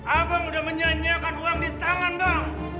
abang udah menyanyiakan uang di tangan bang